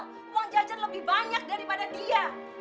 uang jajan lebih banyak daripada dia